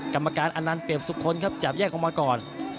กรรมการอนันต์เปรียบสุคลครับจับแยกออกมาก่อน